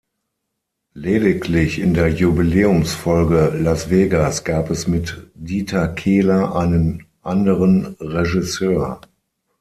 Lediglich in der Jubiläumsfolge "Las Vegas" gab es mit Dieter Kehler einen anderen Regisseur.